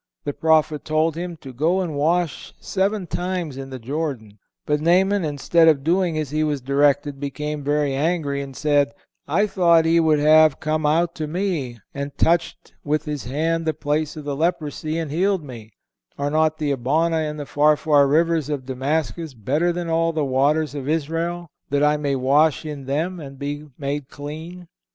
The prophet told him to go and wash seven times in the Jordan; but Naaman, instead of doing as he was directed, became very angry, and said: "I thought he would have come out to me, ... and touched with his hand the place of the leprosy, and healed me. Are not the Abana and the Pharfar rivers of Damascus, better than all the waters of Israel, that I may wash in them, and be made clean?"